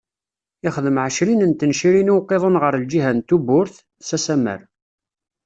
Ixdem ɛecrin n tencirin i uqiḍun ɣer lǧiha n Tuburet, s asammer.